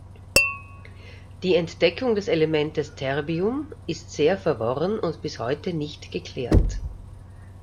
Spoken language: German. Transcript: Die Entdeckung des Elementes Terbium ist sehr verworren und bis heute nicht geklärt.